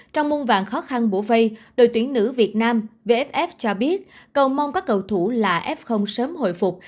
trong muôn vàng khó khăn bổ vây đội tuyển nữ việt nam vff cho biết cầu mong các cầu thủ là f sớm hồi phục